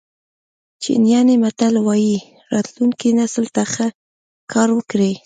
چینایي متل وایي راتلونکي نسل ته ښه کار وکړئ.